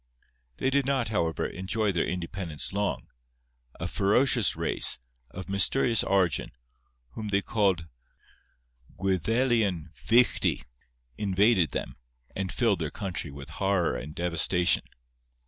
They did not, however, enjoy their independence long; a ferocious race, of mysterious origin, whom they called Gwyddelian Fichti, invaded them, and filled their country with horror and devastation.